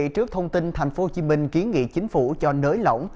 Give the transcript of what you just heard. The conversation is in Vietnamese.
trước thông tin tp hcm kiến nghị chính phủ cho nới lỏng